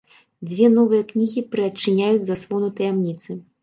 Дзве новыя кнігі прыадчыняюць заслону таямніцы.